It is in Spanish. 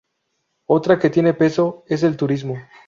Otra que tiene peso es el turismo.